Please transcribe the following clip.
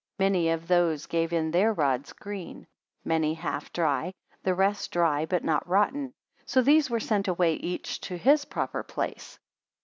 Many of those gave in their rods green; many half dry; the rest dry but not rotten. So these were sent away, each to his proper place.